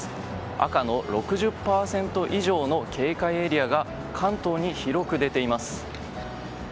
赤の６０％以上の警戒エリアが関東に広く出ています。